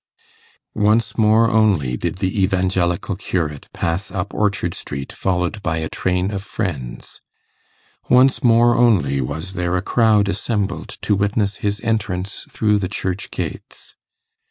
Once more only did the Evangelical curate pass up Orchard Street followed by a train of friends; once more only was there a crowd assembled to witness his entrance through the church gates.